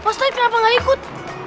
ustadz kenapa gak ikut